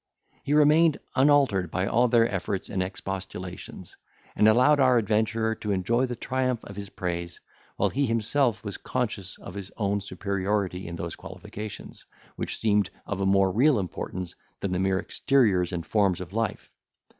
He remained unaltered by all their efforts and expostulations, and allowed our adventurer to enjoy the triumph of his praise, while he himself was conscious of his own superiority in those qualifications which seemed of more real importance than the mere exteriors and forms of life.